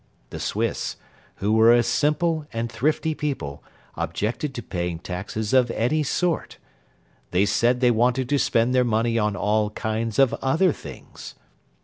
The Swiss, who were a simple and thrifty people, objected to paying taxes of any sort. They said they wanted to spend their money on all kinds of other things.